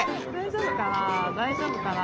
大丈夫かな？